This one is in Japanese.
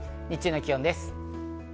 日中の気温です。